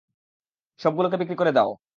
সবগুলোকে বিক্রি করে দাও।